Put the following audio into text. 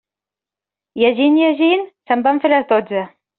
Llegint, llegint, se'm van fer les dotze.